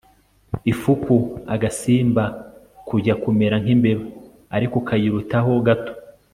ifuku agasimba kujya kumera nk'imbeba ariko kayiruta ho gato